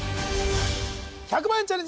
１００万円チャレンジ！